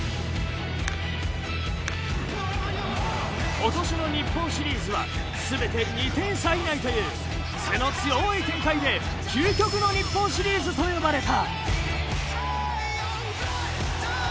今年の日本シリーズはすべて２点差以内というクセの強い展開で究極の日本シリーズと呼ばれた。